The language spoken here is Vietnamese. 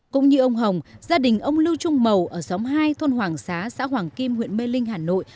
cũng như ông hồng gia đình ông lưu trung mầu ở xóm hai thôn hoàng xá xã hoàng kim huyện mê linh hà nội